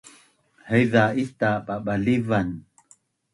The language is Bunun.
Haiza ita’ babalivan